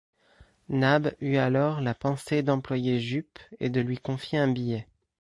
Nab eut alors la pensée d’employer Jup et de lui confier un billet.